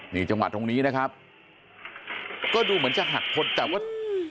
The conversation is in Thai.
นี่จังหวะตรงนี้นะครับก็ดูเหมือนจะหักคนแต่ว่า